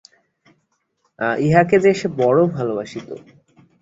ইহাকে যে সে বড়ো ভালোবাসিত।